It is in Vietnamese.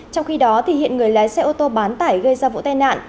trong khi đó hiện người lái xe ô tô bán tải gây ra vụ tai nạn